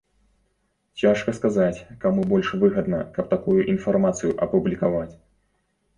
Цяжка сказаць, каму больш выгадна, каб такую інфармацыю апублікаваць.